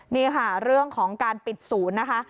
นี่ค่ะเรื่องของการปิดศูนย์นะคะ